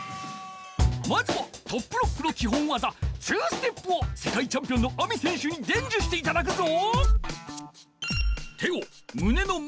まずはトップロックのきほんわざ２ステップをせかいチャンピオンのＡＭＩ選手にでんじゅしていただくぞ！